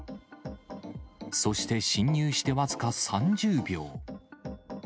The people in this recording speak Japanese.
そして侵入して僅か３０秒。